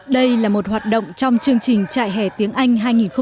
đây là một hoạt động trong chương trình trại hẻ tiếng anh hai nghìn một mươi bảy